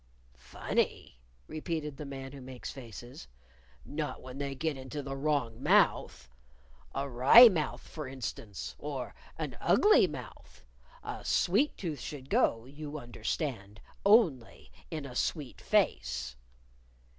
"Funny?" repeated the Man Who Makes Faces. "Not when they get into the wrong mouth! a wry mouth, for instance, or an ugly mouth. A sweet tooth should go, you understand, only with a sweet face."